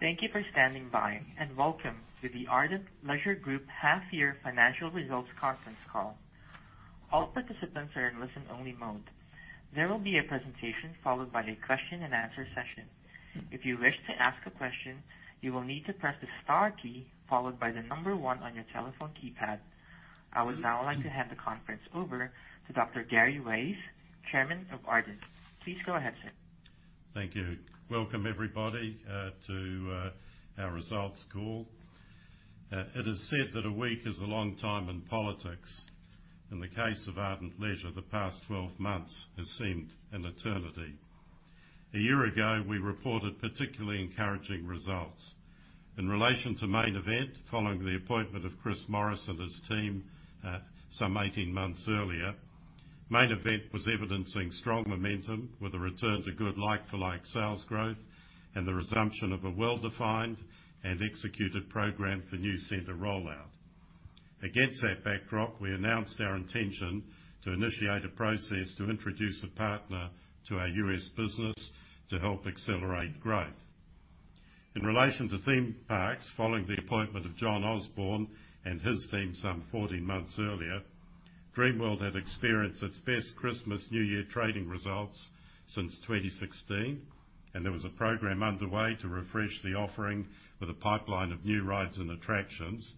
Thank you for standing by, welcome to the Ardent Leisure Group Half-Year Financial Results Conference Call. All participants are in listen-only mode. There would be a question and answer session. If you wish to ask a question, you will need to press the star key followed by the number one on your telephone keypad. I would now like to hand the conference over to Dr Gary Weiss, Chairman of Ardent. Please go ahead, sir. Thank you. Welcome everybody to our results call. It is said that a week is a long time in politics. In the case of Ardent Leisure, the past 12 months has seemed an eternity. A year ago, we reported particularly encouraging results. In relation to Main Event, following the appointment of Chris Morris and his team some 18 months earlier, Main Event was evidencing strong momentum with a return to good like-for-like sales growth and the resumption of a well-defined and executed program for new center rollout. Against that backdrop, we announced our intention to initiate a process to introduce a partner to our U.S. business to help accelerate growth. In relation to theme parks, following the appointment of John Osborne and his team some 14 months earlier, Dreamworld had experienced its best Christmas-New Year trading results since 2016, and there was a program underway to refresh the offering with a pipeline of new rides and attractions,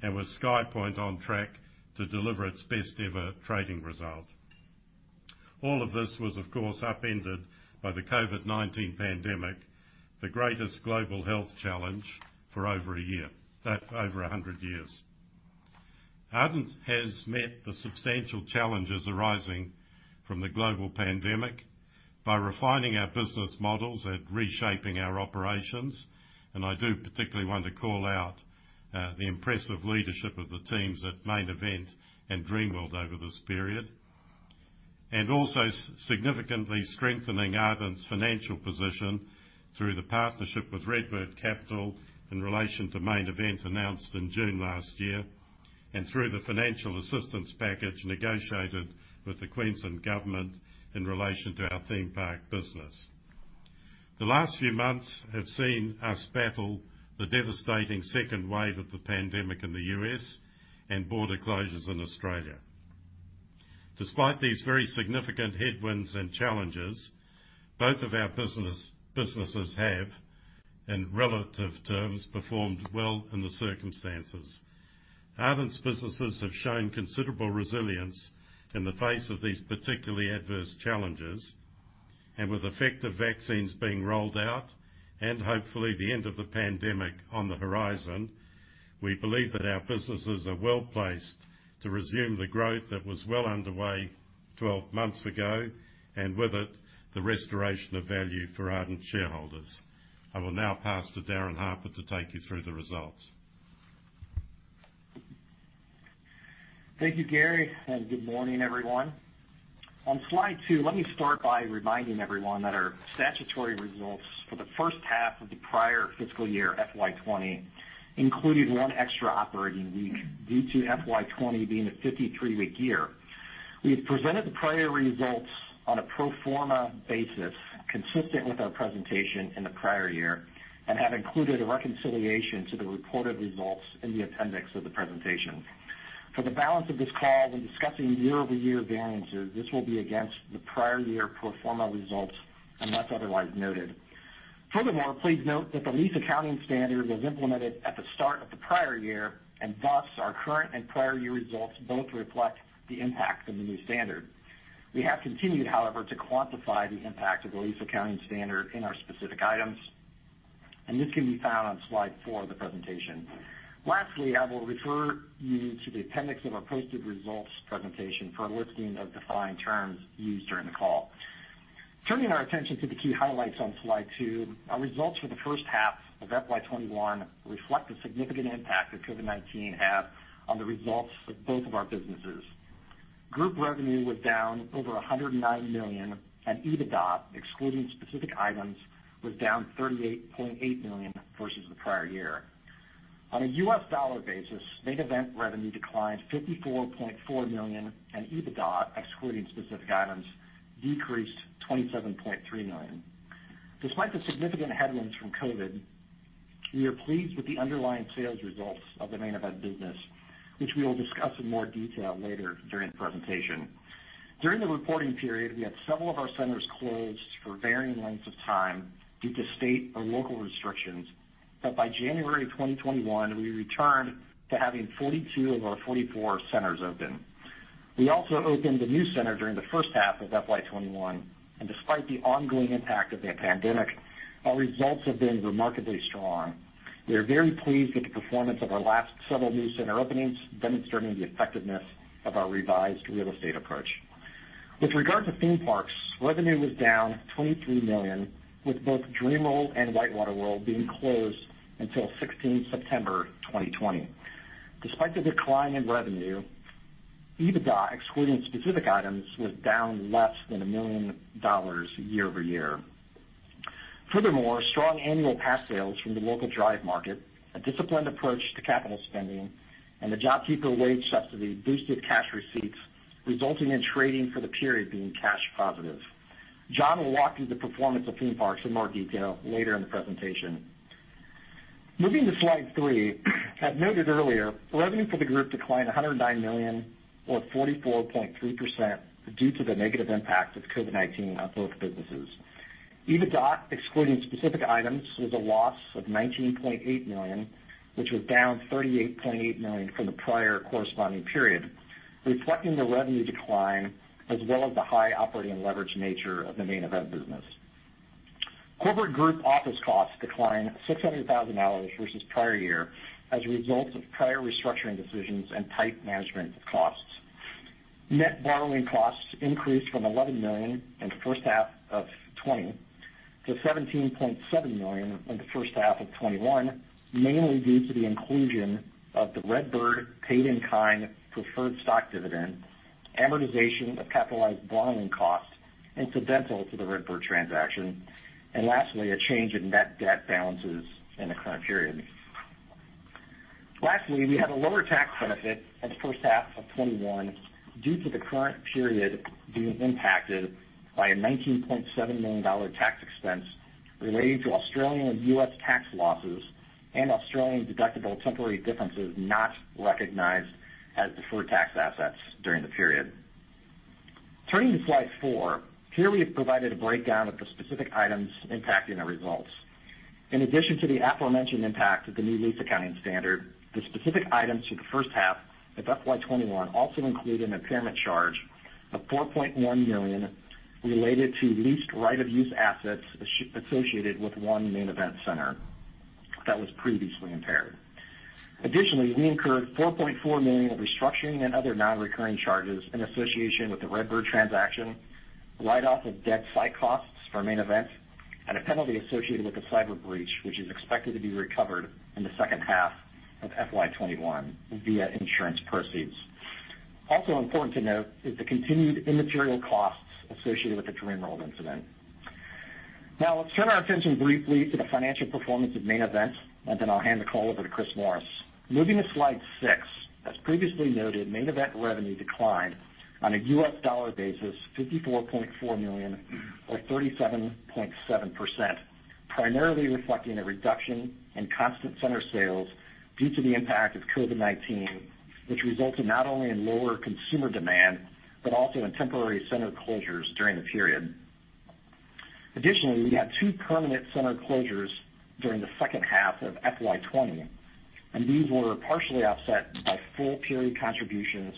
and with SkyPoint on track to deliver its best ever trading result. All of this was, of course, upended by the COVID-19 pandemic, the greatest global health challenge for over 100 years. Ardent has met the substantial challenges arising from the global pandemic by refining our business models and reshaping our operations. I do particularly want to call out the impressive leadership of the teams at Main Event and Dreamworld over this period. Also significantly strengthening Ardent's financial position through the partnership with RedBird Capital in relation to Main Event announced in June last year, and through the financial assistance package negotiated with the Queensland Government in relation to our theme park business. The last few months have seen us battle the devastating second wave of the pandemic in the U.S. and border closures in Australia. Despite these very significant headwinds and challenges, both of our businesses have, in relative terms, performed well in the circumstances. Ardent's businesses have shown considerable resilience in the face of these particularly adverse challenges. With effective vaccines being rolled out and, hopefully, the end of the pandemic on the horizon, we believe that our businesses are well-placed to resume the growth that was well underway 12 months ago, and with it, the restoration of value for Ardent shareholders. I will now pass to Darin Harper to take you through the results. Thank you, Gary. Good morning, everyone. On slide two, let me start by reminding everyone that our statutory results for the first half of the prior fiscal year, FY 2020, included one extra operating week due to FY 2020 being a 53-week year. We have presented the prior results on a pro forma basis consistent with our presentation in the prior year and have included a reconciliation to the reported results in the appendix of the presentation. For the balance of this call, when discussing year-over-year variances, this will be against the prior year pro forma results unless otherwise noted. Furthermore, please note that the lease accounting standard was implemented at the start of the prior year, and thus, our current and prior year results both reflect the impact of the new standard. We have continued, however, to quantify the impact of the lease accounting standard in our specific items, and this can be found on slide four of the presentation. Lastly, I will refer you to the appendix of our posted results presentation for a listing of defined terms used during the call. Turning our attention to the key highlights on slide two, our results for the first half of FY21 reflect the significant impact that COVID-19 had on the results of both of our businesses. Group revenue was down over 109 million, and EBITDA, excluding specific items, was down 38.8 million versus the prior year. On a U.S. dollar basis, Main Event revenue declined $54.4 million, and EBITDA, excluding specific items, decreased $27.3 million. Despite the significant headwinds from COVID, we are pleased with the underlying sales results of the Main Event business, which we will discuss in more detail later during the presentation. During the reporting period, we had several of our centers closed for varying lengths of time due to state or local restrictions. By January 2021, we returned to having 42 of our 44 centers open. We also opened a new center during the first half of FY 2021, and despite the ongoing impact of the pandemic, our results have been remarkably strong. We are very pleased with the performance of our last several new center openings, demonstrating the effectiveness of our revised real estate approach. With regard to theme parks, revenue was down 23 million, with both Dreamworld and WhiteWater World being closed until 16 September 2020. Despite the decline in revenue, EBITDA, excluding specific items, was down less than 1 million dollars year-over-year. Strong annual pass sales from the local drive market, a disciplined approach to capital spending, and the JobKeeper wage subsidy boosted cash receipts, resulting in trading for the period being cash positive. John will walk through the performance of theme parks in more detail later in the presentation. Moving to slide three, as noted earlier, revenue for the group declined 109 million, or 44.3%, due to the negative impact of COVID-19 on both businesses. EBITDA, excluding specific items, was a loss of 19.8 million, which was down 38.8 million from the prior corresponding period, reflecting the revenue decline as well as the high operating leverage nature of the Main Event business. Corporate group office costs declined 600,000 dollars versus prior year as a result of prior restructuring decisions and tight management of costs. Net borrowing costs increased from 11 million in the first half of FY 2020 to 17.7 million in the first half of FY 2021, mainly due to the inclusion of the RedBird paid-in-kind preferred stock dividend, amortization of capitalized borrowing costs incidental to the RedBird transaction, and lastly, a change in net debt balances in the current period. We have a lower tax benefit in the first half of FY 2021 due to the current period being impacted by an 19.7 million dollar tax expense related to Australian and U.S. tax losses and Australian deductible temporary differences not recognized as deferred tax assets during the period. Turning to slide four. Here we have provided a breakdown of the specific items impacting the results. In addition to the aforementioned impact of the new lease accounting standard, the specific items for the first half of FY 2021 also include an impairment charge of 4.1 million related to leased right-of-use assets associated with one Main Event center that was previously impaired. We incurred 4.4 million of restructuring and other non-recurring charges in association with the RedBird transaction, write-off of dead site costs for Main Event, and a penalty associated with the cyber breach, which is expected to be recovered in the second half of FY 2021 via insurance proceeds. Important to note is the continued immaterial costs associated with the Dreamworld incident. Let's turn our attention briefly to the financial performance of Main Event, and then I'll hand the call over to Chris Morris. Moving to slide six. As previously noted, Main Event revenue declined on a U.S. dollar basis $54.4 million or 37.7%, primarily reflecting a reduction in constant center sales due to the impact of COVID-19, which resulted not only in lower consumer demand, but also in temporary center closures during the period. Additionally, we had two permanent center closures during the second half of FY20. These were partially offset by full-period contributions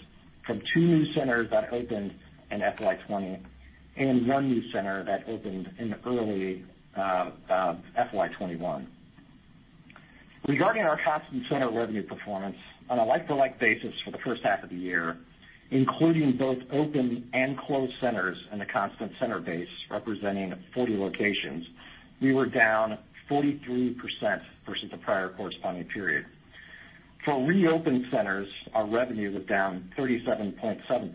from two new centers that opened in FY20 and one new center that opened in early FY21. Regarding our constant center revenue performance, on a like-for-like basis for the first half of the year, including both open and closed centers in the constant center base representing 40 locations, we were down 43% versus the prior corresponding period. For reopened centers, our revenues were down 37.7%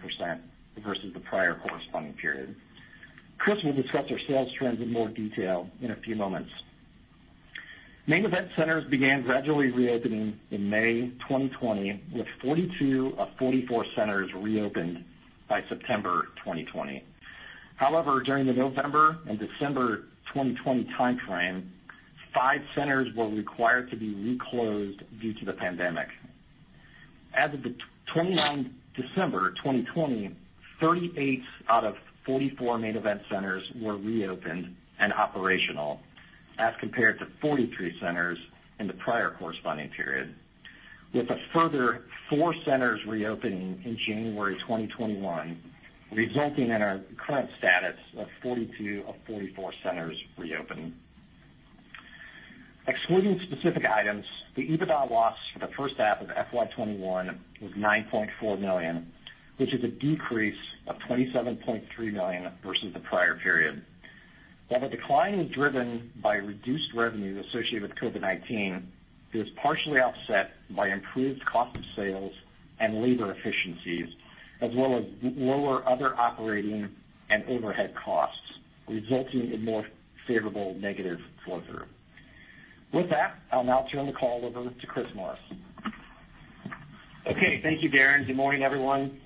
versus the prior corresponding period. Chris will discuss our sales trends in more detail in a few moments. Main Event centers began gradually reopening in May 2020, with 42 of 44 centers reopened by September 2020. However, during the November and December 2020 timeframe, five centers were required to be reclosed due to the pandemic. As of the December 29th, 2020, 38 out of 44 Main Event centers were reopened and operational, as compared to 43 centers in the prior corresponding period, with a further four centers reopening in January 2021, resulting in our current status of 42 of 44 centers reopening. Excluding specific items, the EBITDA loss for the first half of FY21 was 9.4 million, which is a decrease of $27.3 million versus the prior period. While the decline was driven by reduced revenues associated with COVID-19, it was partially offset by improved cost of sales and labor efficiencies, as well as lower other operating and overhead costs, resulting in more favorable negative flow-through. With that, I'll now turn the call over to Chris Morris. Okay. Thank you, Darin. Good morning, everyone.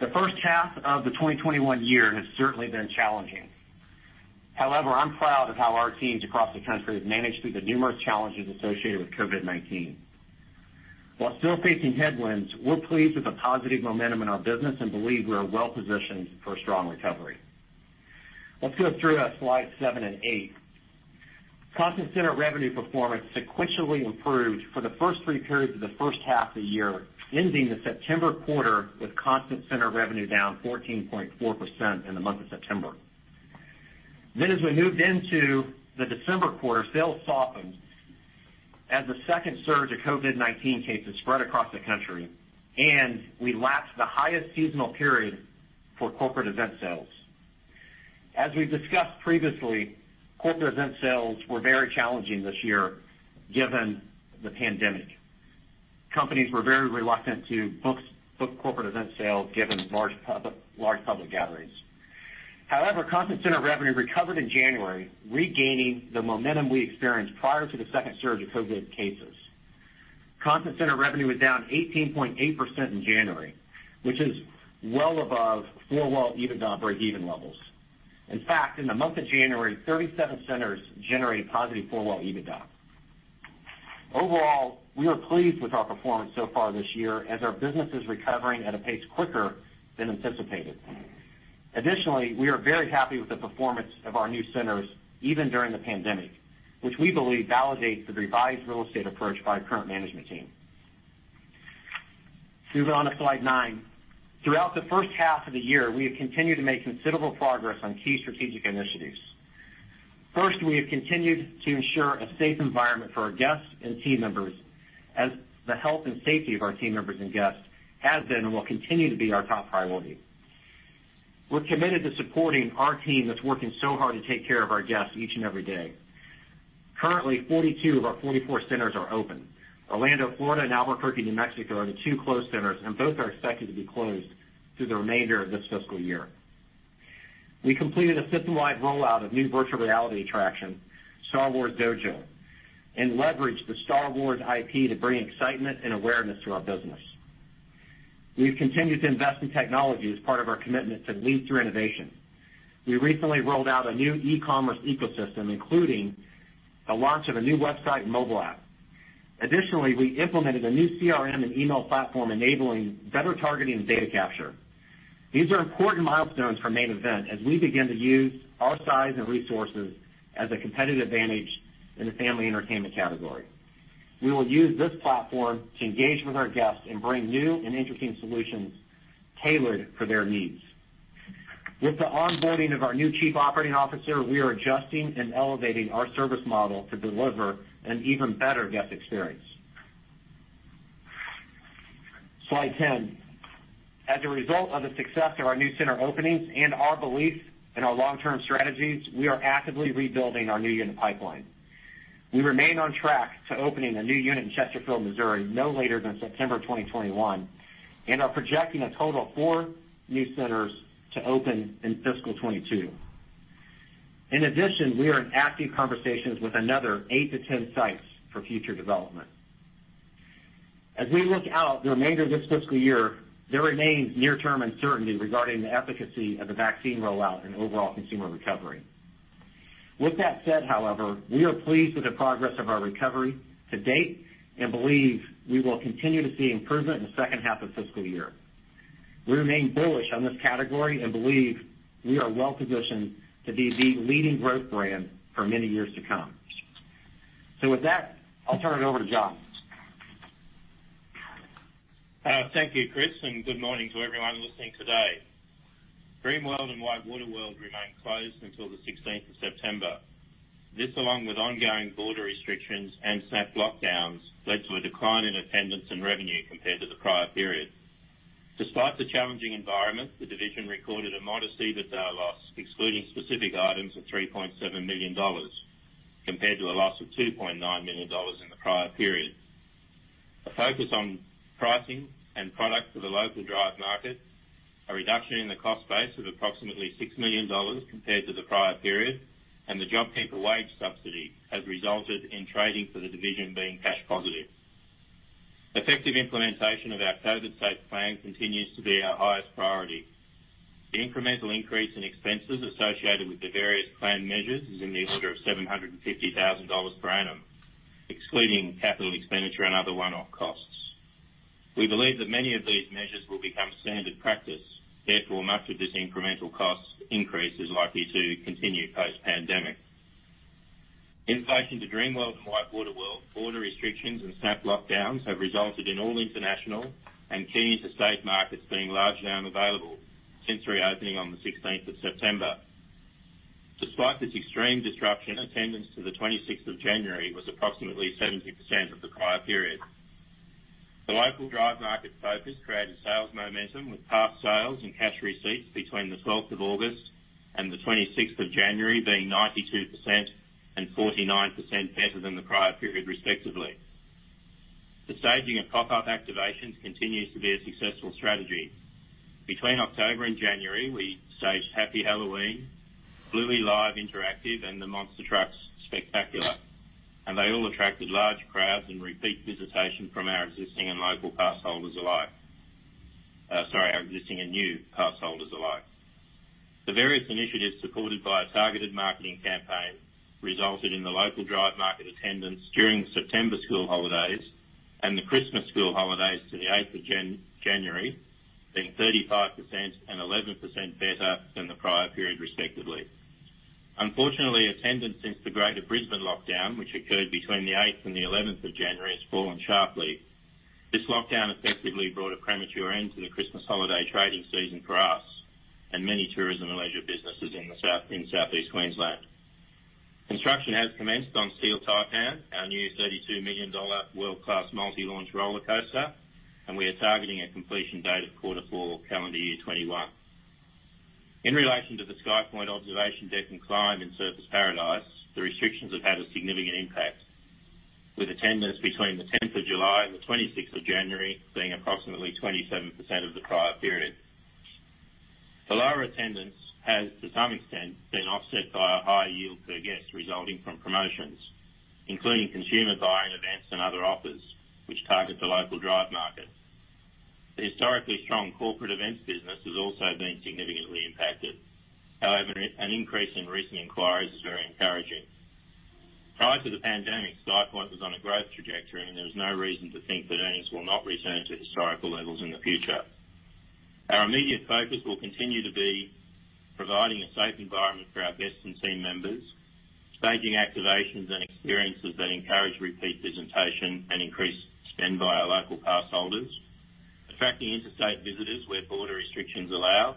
The first half of the 2021 year has certainly been challenging. However, I'm proud of how our teams across the country have managed through the numerous challenges associated with COVID-19. While still facing headwinds, we're pleased with the positive momentum in our business and believe we are well-positioned for a strong recovery. Let's go through slides seven and eight. Constant center revenue performance sequentially improved for the first three periods of the first half of the year, ending the September quarter with constant center revenue down 14.4% in the month of September. As we moved into the December quarter, sales softened as the second surge of COVID-19 cases spread across the country, and we lapsed the highest seasonal period for corporate event sales. As we've discussed previously, corporate event sales were very challenging this year given the pandemic. Companies were very reluctant to book corporate event sales given large. However, constant center revenue recovered in January, regaining the momentum we experienced prior to the second surge of COVID cases. Constant center revenue was down 18.8% in January, which is well above four-wall EBITDA breakeven levels. In fact, in the month of January, 37 centers generated positive four-wall EBITDA. Overall, we are pleased with our performance so far this year as our business is recovering at a pace quicker than anticipated. Additionally, we are very happy with the performance of our new centers, even during the pandemic, which we believe validates the revised real estate approach by our current management team. Moving on to slide nine. Throughout the first half of the year, we have continued to make considerable progress on key strategic initiatives. First, we have continued to ensure a safe environment for our guests and team members as the health and safety of our team members and guests has been and will continue to be our top priority. We're committed to supporting our team that's working so hard to take care of our guests each and every day. Currently, 42 of our 44 centers are open. Orlando, Florida, and Albuquerque, New Mexico, are the two closed centers, and both are expected to be closed through the remainder of this fiscal year. We completed a system-wide rollout of new virtual reality attraction, Star Wars Dojo, and leveraged the Star Wars IP to bring excitement and awareness to our business. We've continued to invest in technology as part of our commitment to lead through innovation. We recently rolled out a new e-commerce ecosystem, including the launch of a new website and mobile app. Additionally, we implemented a new CRM and email platform enabling better targeting and data capture. These are important milestones for Main Event as we begin to use our size and resources as a competitive advantage in the family entertainment category. We will use this platform to engage with our guests and bring new and interesting solutions tailored for their needs. With the onboarding of our new chief operating officer, we are adjusting and elevating our service model to deliver an even better guest experience. Slide 10. As a result of the success of our new center openings and our belief in our long-term strategies, we are actively rebuilding our new unit pipeline. We remain on track to opening a new unit in Chesterfield, Missouri, no later than September 2021, and are projecting a total of four new centers to open in FY 2022. In addition, we are in active conversations with another eight to 10 sites for future development. As we look out the remainder of this fiscal year, there remains near-term uncertainty regarding the efficacy of the vaccine rollout and overall consumer recovery. With that said, however, we are pleased with the progress of our recovery to date and believe we will continue to see improvement in the second half of the fiscal year. We remain bullish on this category and believe we are well-positioned to be the leading growth brand for many years to come. With that, I'll turn it over to John. Thank you, Chris, and good morning to everyone listening today. Dreamworld and WhiteWater World remained closed until the September 16th. This, along with ongoing border restrictions and snap lockdowns, led to a decline in attendance and revenue compared to the prior period. Despite the challenging environment, the division recorded a modest EBITDA loss, excluding specific items of 3.7 million dollars, compared to a loss of 2.9 million dollars in the prior period. A focus on pricing and product for the local drive market, a reduction in the cost base of approximately 6 million dollars compared to the prior period, and the JobKeeper wage subsidy has resulted in trading for the division being cash positive. Effective implementation of our COVID Safe Plan continues to be our highest priority. The incremental increase in expenses associated with the various plan measures is in the order of 750,000 dollars per annum, excluding capital expenditure and other one-off costs. We believe that many of these measures will become standard practice, therefore, much of this incremental cost increase is likely to continue post-pandemic. In relation to Dreamworld and WhiteWater World, border restrictions and snap lockdowns have resulted in all international and key interstate markets being largely unavailable since reopening on the September 16th. Despite this extreme disruption, attendance to the January 26th, was approximately 70% of the prior period. The local drive market focus created sales momentum with park sales and cash receipts between the August 12th, and the January 26th, being 92% and 49% better than the prior period, respectively. The staging of pop-up activations continues to be a successful strategy. Between October and January, we staged Happy Halloween, Bluey Live Interactive, and the Monster Trucks Spectacular. They all attracted large crowds and repeat visitation from our existing and local pass holders alike. Sorry, our existing and new pass holders alike. The various initiatives supported by a targeted marketing campaign resulted in the local drive market attendance during September school holidays and the Christmas school holidays to the January 8th, being 35% and 11% better than the prior period, respectively. Unfortunately, attendance since the greater Brisbane lockdown, which occurred between the January 8th and 11th, has fallen sharply. This lockdown effectively brought a premature end to the Christmas holiday trading season for us and many tourism and leisure businesses in Southeast Queensland. Construction has commenced on Steel Taipan, our new 32 million dollar world-class multi-launch roller coaster, and we are targeting a completion date of Q4 calendar year 2021. In relation to the SkyPoint Observation Deck and Climb in Surfers Paradise, the restrictions have had a significant impact. With attendance between the July 10th and the January 26th being approximately 27% of the prior period. The lower attendance has, to some extent, been offset by a higher yield per guest resulting from promotions, including consumer buying events and other offers which target the local drive market. The historically strong corporate events business has also been significantly impacted. However, an increase in recent inquiries is very encouraging. Prior to the pandemic, SkyPoint was on a growth trajectory, and there was no reason to think that earnings will not return to historical levels in the future. Our immediate focus will continue to be providing a safe environment for our guests and team members, staging activations and experiences that encourage repeat visitation and increase spend by our local pass holders, attracting interstate visitors where border restrictions allow,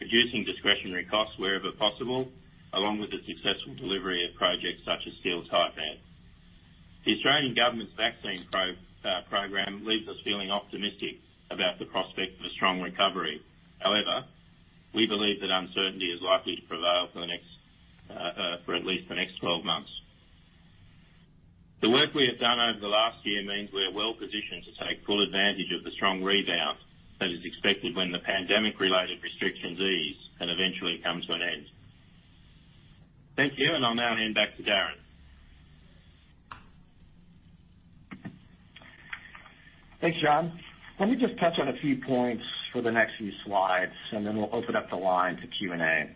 reducing discretionary costs wherever possible, along with the successful delivery of projects such as Steel Taipan. The Australian government's vaccine program leaves us feeling optimistic about the prospect of a strong recovery. We believe that uncertainty is likely to prevail for at least the next 12 months. The work we have done over the last year means we're well-positioned to take full advantage of the strong rebound that is expected when the pandemic-related restrictions ease and eventually come to an end. Thank you, and I'll now hand back to Darin. Thanks, John. Let me just touch on a few points for the next few slides, and then we'll open up the line to Q&A.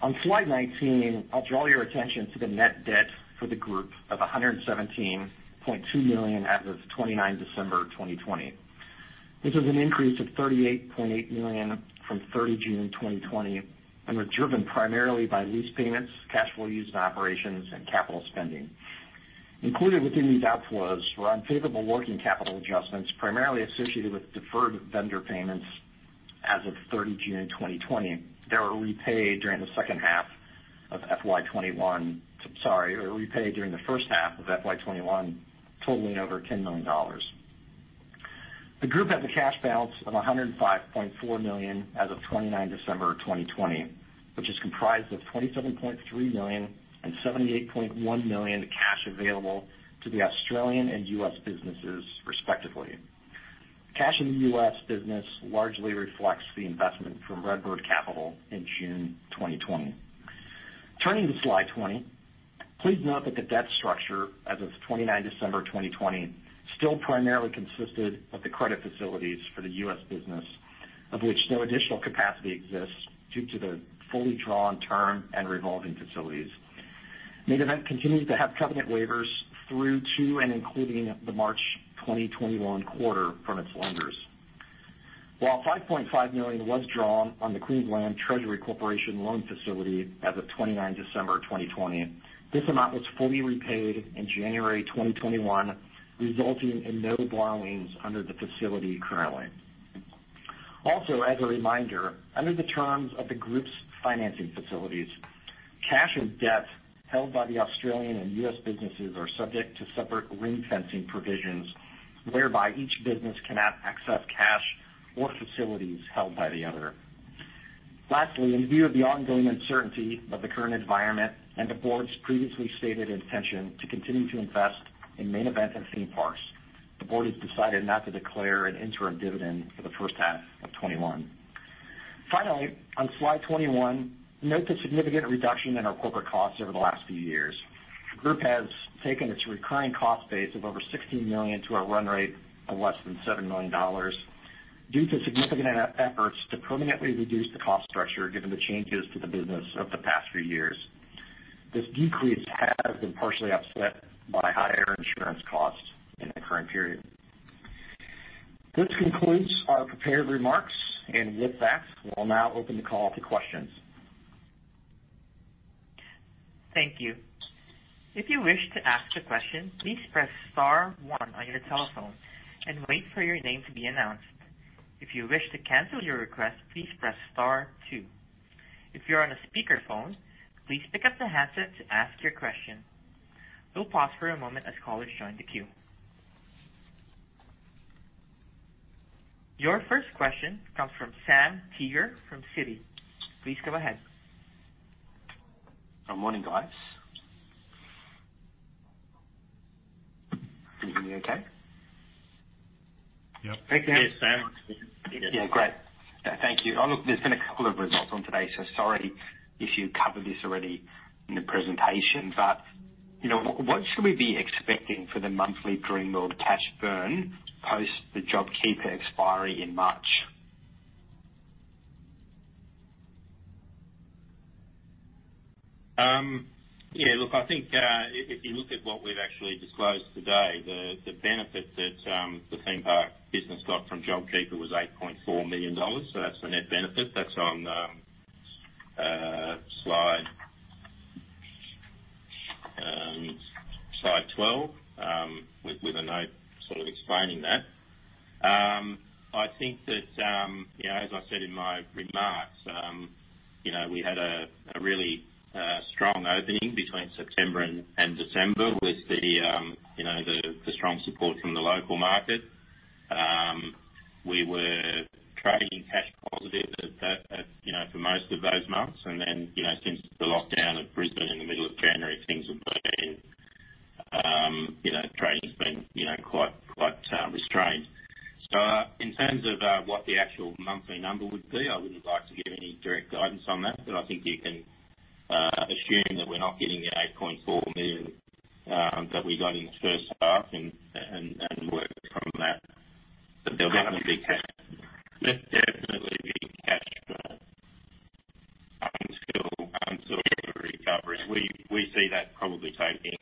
On slide 19, I'll draw your attention to the net debt for the group of 117.2 million as of December 29th, 2020. This is an increase of 38.8 million from June 30th, 2020 and were driven primarily by lease payments, cash flow used in operations, and capital spending. Included within these outflows were unfavorable working capital adjustments, primarily associated with deferred vendor payments as of June 30th, 2020. They were repaid during the first half of FY 2021, totaling over AUD 10 million. The group had the cash balance of 105.4 million as of December 29th, 2020, which is comprised of 27.3 million and 78.1 million cash available to the Australian and U.S. businesses respectively. Cash in the U.S. business largely reflects the investment from RedBird Capital in June 2020. Turning to slide 20, please note that the debt structure as of December 29th, 2020 still primarily consisted of the credit facilities for the U.S. business, of which no additional capacity exists due to the fully drawn term and revolving facilities. Main Event continues to have covenant waivers through to and including the March 2021 quarter from its lenders. While 5.5 million was drawn on the Queensland Treasury Corporation loan facility as of December 29th, 2020, this amount was fully repaid in January 2021, resulting in no borrowings under the facility currently. Also, as a reminder, under the terms of the group's financing facilities, cash and debt held by the Australian and U.S. businesses are subject to separate ring-fencing provisions, whereby each business cannot access cash or facilities held by the other. In view of the ongoing uncertainty of the current environment and the board's previously stated intention to continue to invest in Main Event and theme parks, the board has decided not to declare an interim dividend for the first half of 2021. On slide 21, note the significant reduction in our corporate costs over the last few years. The group has taken its recurring cost base of over 16 million to a run rate of less than 7 million dollars. Due to significant efforts to permanently reduce the cost structure, given the changes to the business of the past few years. This decrease has been partially offset by higher insurance costs in the current period. This concludes our prepared remarks. With that, we'll now open the call to questions. Your first question comes from Sam Teeger from Citi. Please go ahead. Good morning, guys. Can you hear me okay? Yep. Hey, Sam. Yes, Sam. Yeah, great. Thank you. Look, there's been a couple of results on today, so sorry if you covered this already in the presentation, but what should we be expecting for the monthly Dreamworld cash burn post the JobKeeper expiry in March? If you look at what we've actually disclosed today, the benefit that the theme park business got from JobKeeper was 8.4 million dollars. That's the net benefit. That's on slide 12, with a note sort of explaining that. As I said in my remarks, we had a really strong opening between September and December with the strong support from the local market. We were trading cash positive for most of those months, and then since the lockdown of Brisbane in the middle of January, trading has been quite restrained. In terms of what the actual monthly number would be, I wouldn't like to give any direct guidance on that, but I think you can assume that we're not getting the 8.4 million that we got in the first half and work from that. There'll definitely be cash flow until the recovery. We see that probably taking,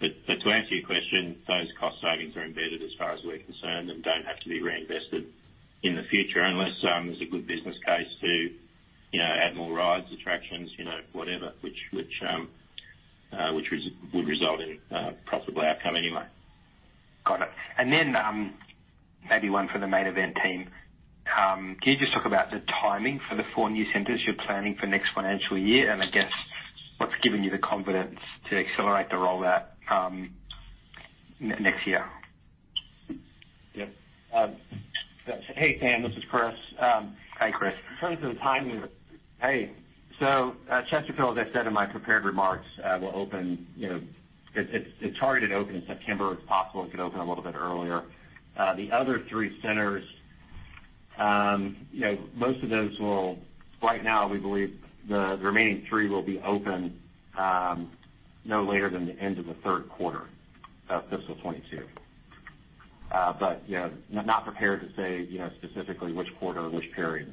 To answer your question, those cost savings are embedded as far as we're concerned and don't have to be reinvested in the future unless there's a good business case to add more rides, attractions, whatever, which would result in a profitable outcome anyway. Got it. Then maybe one for the Main Event team. Can you just talk about the timing for the four new centers you're planning for next financial year? I guess what's given you the confidence to accelerate the rollout next year? Yep. Hey, Sam, this is Chris. Hi, Chris. In terms of the timing, Chesterfield, as I said in my prepared remarks, it's targeted to open in September. It's possible it could open a little bit earlier. The other three centers, most of those, we believe the remaining three will be open no later than the end of the third quarter of FY 2022. Not prepared to say specifically which quarter or which period.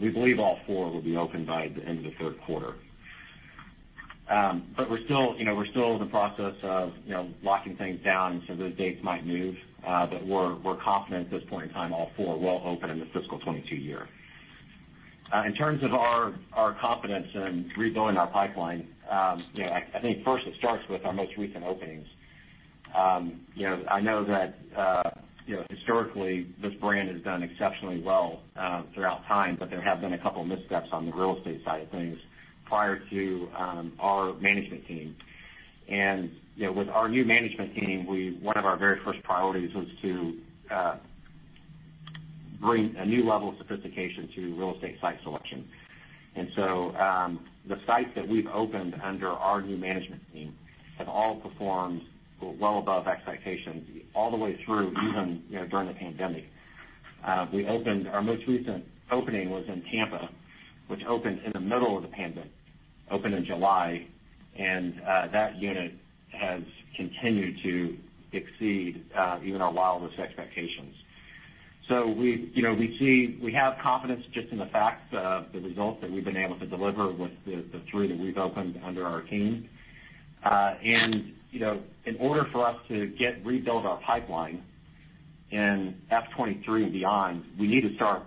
We believe all four will be open by the end of the third quarter. We're still in the process of locking things down, those dates might move. We're confident at this point in time all four will open in the FY 2022 year. In terms of our confidence in rebuilding our pipeline, I think first it starts with our most recent openings. I know that historically this brand has done exceptionally well throughout time, but there have been a couple of missteps on the real estate side of things prior to our management team. With our new management team, one of our very first priorities was to bring a new level of sophistication to real estate site selection. The sites that we've opened under our new management team have all performed well above expectations all the way through, even during the pandemic. Our most recent opening was in Tampa, which opened in the middle of the pandemic, opened in July, and that unit has continued to exceed even our wildest expectations. We have confidence just in the fact of the results that we've been able to deliver with the three that we've opened under our team. In order for us to rebuild our pipeline in FY23 and beyond, we need to start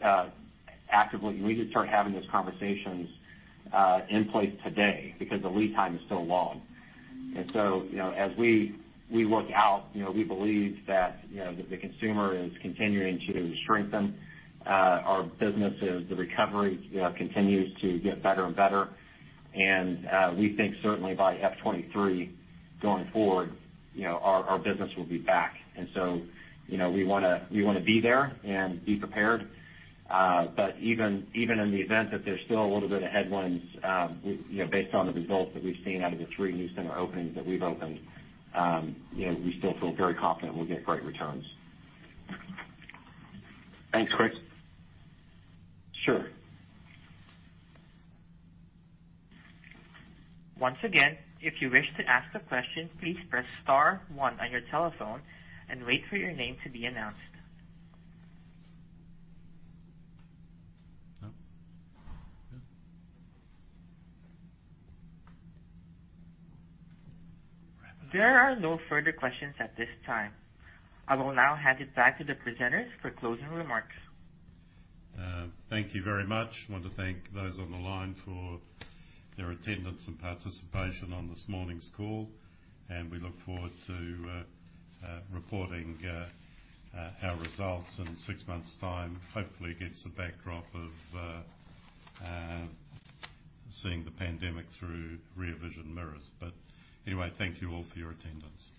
having those conversations in place today because the lead time is so long. As we look out, we believe that the consumer is continuing to strengthen our businesses. The recovery continues to get better and better. We think certainly by FY23 going forward, our business will be back. We want to be there and be prepared. Even in the event that there's still a little bit of headwinds, based on the results that we've seen out of the three new center openings that we've opened, we still feel very confident we'll get great returns. Thanks, Chris. Sure. There are no further questions at this time. I will now hand it back to the presenters for closing remarks. Thank you very much. I want to thank those on the line for their attendance and participation on this morning's call, and we look forward to reporting our results in six months' time. Hopefully against the backdrop of seeing the pandemic through rear vision mirrors. Anyway, thank you all for your attendance.